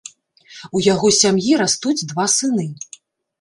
У яго сям'і растуць два сыны.